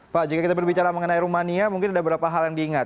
pak jika kita berbicara mengenai rumania mungkin ada beberapa hal yang diingat